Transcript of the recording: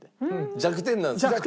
弱点なんですね。